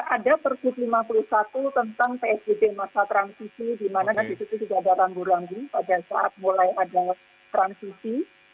ada persis lima puluh satu tentang psbb masa transisi di mana kan di situ juga ada rambu rambu pada saat mulai ada transisi